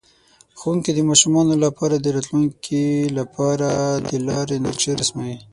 ښوونکی د ماشومانو لپاره د راتلونکي لپاره د لارې نقشه رسموي.